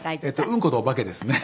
うんことお化けですね。